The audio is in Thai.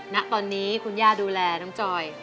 ณตอนนี้คุณย่าดูแลน้องจอย